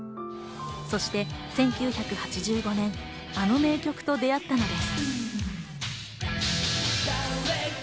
そして１９８５年、あの名曲と出合ったのです。